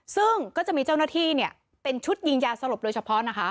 ซึ่งก็จะมีเจ้าหน้าที่เป็นชุดยิงยาสลบโดยเฉพาะนะคะ